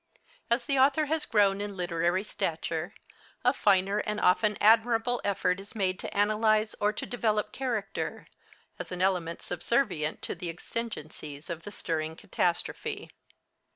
As the author has grown in literary stature, a finer and often admirable effort is made to analyze or to develop character, as an element subservient to the exigencies of the stirring catastrophe.